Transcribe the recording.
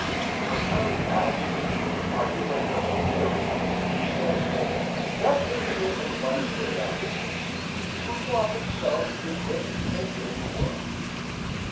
When Harry asked, "Are you my cousin, too?" she said, "That picture is by Sir Godfrey, who thought himself the greatest painter in the world.